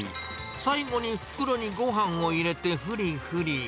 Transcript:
最後に袋にごはんを入れて、振り振り。